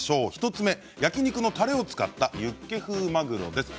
１つ目焼き肉のたれを使ったユッケ風マグロです。